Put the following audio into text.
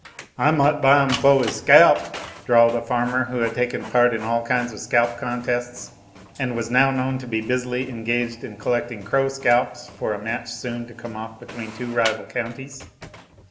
"I might buy 'im foh 'is scalp," drawled a farmer, who had taken part in all kinds of scalp contests, and was now known to be busily engaged in collecting crow scalps for a match soon to come off between two rival counties.